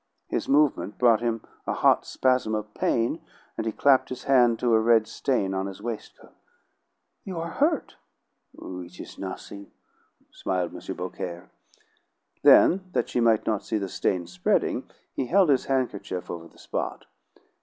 His movement brought him a hot spasm of pain, and he clapped his hand to a red stain on his waistcoat. "You are hurt!" "It is nothing," smiled M. Beaucaire. Then, that she might not see the stain spreading, he held his handkerchief over the spot.